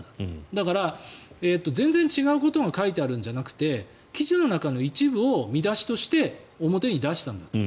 だから全然違うことが書いてあるんじゃなくて記事の中の一部を見出しとして表に出したんだと。